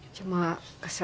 ini tempatnya ada